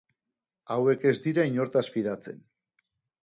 Hauek ez dira inortaz fidatzen.